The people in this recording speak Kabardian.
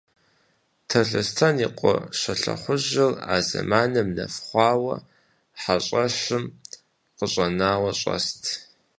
Талъостэн и къуэ Щолэхъужьыр а зэманым нэф хъуауэ хьэщӀэщым къыщӀэнауэ щӀэст.